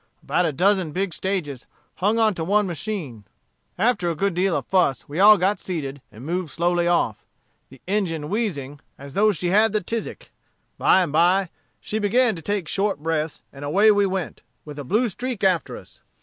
About a dozen big stages hung on to one machine. After a good deal of fuss we all got seated and moved slowly off; the engine wheezing as though she had the tizzic. By and by, she began to take short breaths, and away we went, with a blue streak after us.